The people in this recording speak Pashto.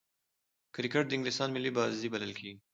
کرکټ د انګلستان ملي بازي بلل کیږي.